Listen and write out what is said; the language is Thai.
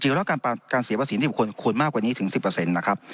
จริงแล้วการเสียภาษีนิติบุคคลควรมากกว่านี้ถึง๑๐เปอร์เซ็นต์นะครับ